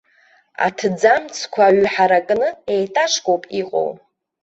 Аҭӡамцқәа ҩҳаракны, етажкоуп иҟоу.